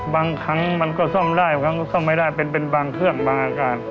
บางครั้งมันก็ซ่อมได้บางครั้งก็ซ่อมไม่ได้เป็นบางเครื่องบางอาการ